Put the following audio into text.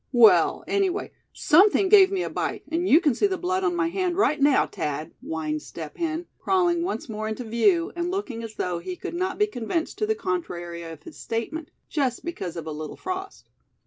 "Well, anyway, something gave me a bite, and you can see the blood on my hand right now, Thad," whined Step Hen, crawling once more into view, and looking as though he could not be convinced to the contrary of his statement, just because of a little frost.